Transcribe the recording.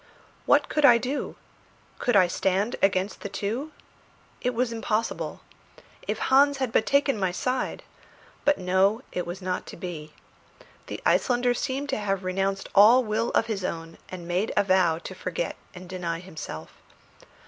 What could I do? Could I stand against the two? It was impossible? If Hans had but taken my side! But no, it was not to be. The Icelander seemed to have renounced all will of his own and made a vow to forget and deny himself.